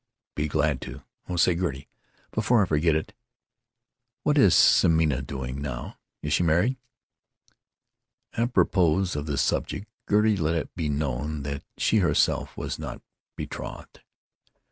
"Be glad to——Oh, say, Gertie, before I forget it, what is Semina doing now? Is she married?" Apropos of this subject, Gertie let it be known that she herself was not betrothed.